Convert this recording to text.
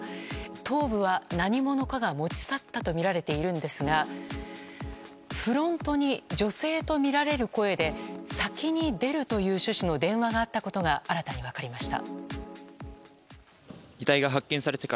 頭部は何者かが持ち去ったとみられているんですがフロントに女性とみられる声で先に出るという趣旨の電話があったことが新たに分かりました。